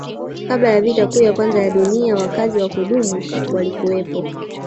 Kabla ya vita kuu ya kwanza ya Dunia wakazi wa kudumu walikuwepo